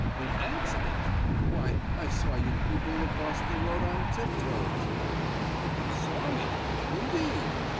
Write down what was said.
"An accident! Why, I saw you creeping across the road on tip toes!" "You saw me? Indeed!